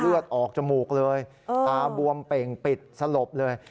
เลือดออกจมูกเลยตาบวมเป่งปิดสลบเลย